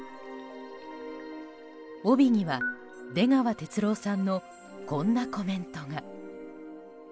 帯には出川哲朗さんのこんなコメントが。